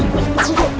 enggak akan ada apa apa